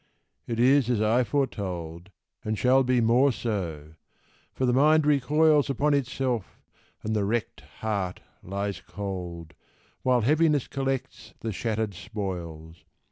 it is as I foretold, And shall be more so; for the mind recoils Upon itself, and the wrecked heart lies cold, While Heaviness collects the shattered spoils.